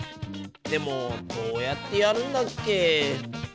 でもどうやってやるんだっけ？